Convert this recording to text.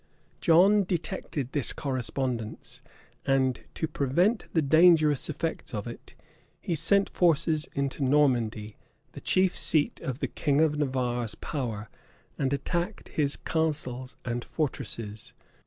John detected this correspondence; and to prevent the dangerous effects of it, he sent forces into Normandy, the chief seat of the king of Navarre's power, and attacked his castles and fortresses.